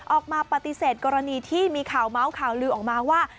ออกมาปฏิเสธกรณีที่มีข่าวเมาส์ข่าวลือออกมาว่า